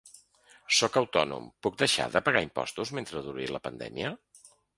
Sóc autònom, puc deixar de pagar imposts mentre duri la pandèmia?